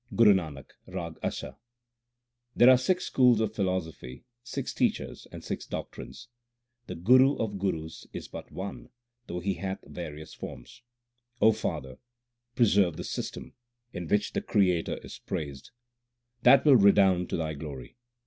GURU NANAK, RAG ASA There are six schools of philosophy, six teachers, and six doctrines. The Guru of gurus is but one, though He hath various forms. father, preserve the system In which the Creator is praised ; 2 that will redound to thy glory.